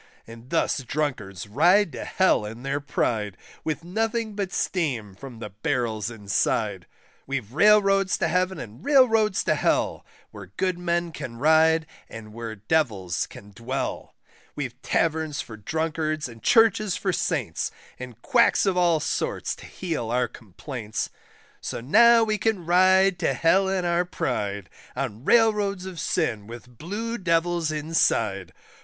And thus drunkards ride to Hell in their pride, With nothing but steam from the barrels inside. We've Railroads to Heaven, and Railroads to Hell, Where good men can ride, and where Devils can dwell; We've Taverns for drunkards and Churches for Saints, And quacks of all sorts to heal our complaints; So now we can ride to Hell in our pride, On Railroads of sin with blue Devils inside.